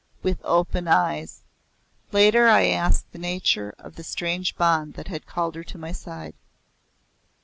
With open eyes! Later I asked the nature of the strange bond that had called her to my side.